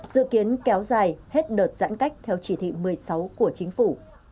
dự kiến kéo dài hết đợt giãn cách theo chỉ thị một mươi sáu của chính phủ